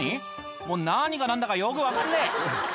「もう何が何だかよく分かんねえ」